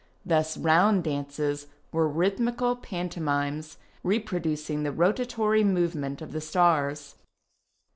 Thus round dances were rhythmical pantomimes repro ducing tlie rotatory movement of the stars.